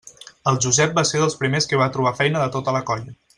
El Josep va ser dels primers que va trobar feina de tota la colla.